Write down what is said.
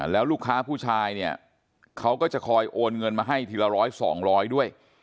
แล้วลูกค้าผู้ชายเนี่ยเขาก็จะคอยโอนเงินมาให้ทีละร้อยสองร้อยด้วย